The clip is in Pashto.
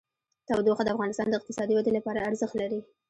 تودوخه د افغانستان د اقتصادي ودې لپاره ارزښت لري.